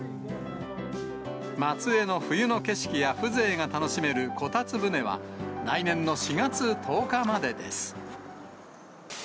松江の冬の景色や風情が楽しめるこたつ船は、来年の４月１０日までです。